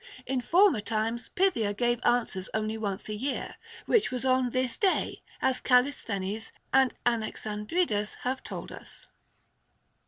In former times Pythia gave an swers only once a year, which was on this day, as Callis thenes and Anaxandridas have told us.